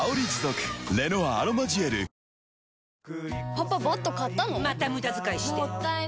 パパ、バット買ったの？